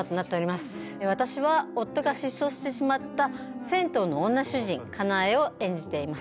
私は夫が失踪してしまった銭湯の女主人かなえを演じています。